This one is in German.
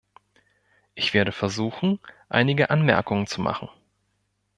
Ich werde versuchen, einige Anmerkungen zu machen.